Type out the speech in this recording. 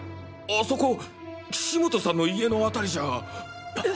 あそこ岸本さんの家の辺りじゃ。